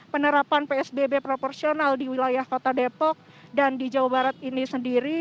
penerapan psbb proporsional di wilayah kota depok dan di jawa barat ini sendiri